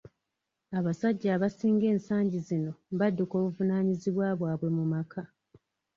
Abasajja abasinga ensagi zino badduka obuvunaanyizibwa bwabwe mu maka.